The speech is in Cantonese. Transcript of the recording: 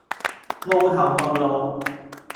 傲頭傲腦